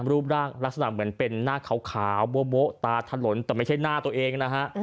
รูปร่างลักษณะเหมือนเป็นหน้าขาวโบ๊ะตาถลนแต่ไม่ใช่หน้าตัวเองนะฮะ